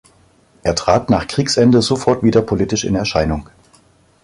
Er trat nach Kriegsende sofort wieder politisch in Erscheinung.